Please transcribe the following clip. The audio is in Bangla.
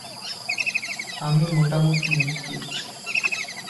আমি মোটামুটি নিশ্চিত।